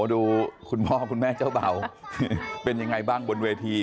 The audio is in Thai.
ดูคุณพ่อคุณแม่เจ้าเบาเป็นยังไงบ้างบนเวที